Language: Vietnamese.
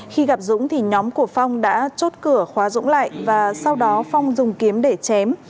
khi gặp dũng thì nhóm của phong đã chốt cửa khóa dũng lại và sau đó phong dùng kiếm để chém